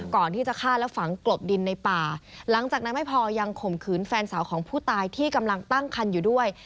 ก่อนที่จะฆ่าและฝังกลบดินในป่าหลังจากนั้นไม่พอยังข่มขืนแฟนสาวของผู้ตายที่กำลังตั้งคันอยู่ด้วย